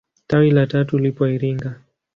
Tawi la tatu lipo Iringa.